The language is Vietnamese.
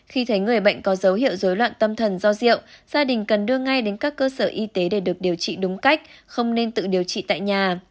khi thấy người bệnh có dấu hiệu dối loạn tâm thần do rượu gia đình cần đưa ngay đến các cơ sở y tế để được điều trị đúng cách không nên tự điều trị tại nhà